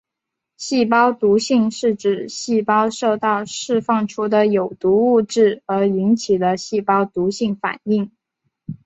细胞毒性是指细胞受到释放出的有毒物质而引起的细胞毒性反应。